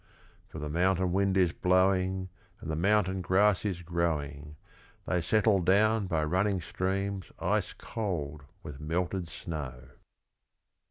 For the mountain wind is blowing, And the mountain grass is growing, They settle down by running streams ice cold with melted snow.